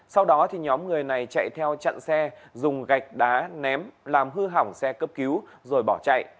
sau đó nhóm người này chạy theo chặn xe dùng gạch đá ném làm hư hỏng xe cấp cứu rồi bỏ chạy